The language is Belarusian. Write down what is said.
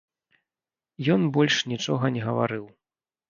Ён больш нічога не гаварыў.